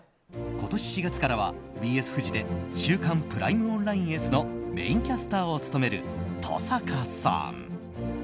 今年４月からはＢＳフジで「週刊プライムオンラインＳ」のメインキャスターを務める登坂さん。